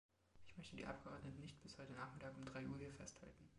Ich möchte die Abgeordneten nicht bis heute nachmittag um drei Uhr hier festhalten.